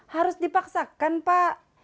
harus dipaksakan pak